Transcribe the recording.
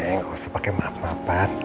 neng gak usah pake maaf maafan